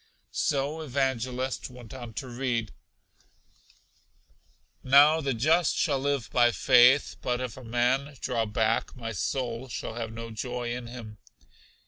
So Evangelist went on to read, 'Now the just shall live by faith, but if a man draw back, my soul shall have no joy in him.'